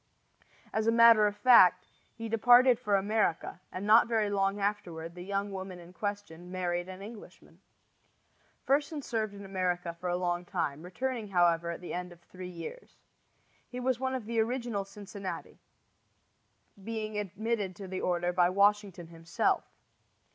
As a matter of fact, he departed for America, and not very long afterward the young woman in question married an Englishman. Fersen served in America for a time, returning, however, at the end of three years. He was one of the original Cincinnati, being admitted to the order by Washington himself.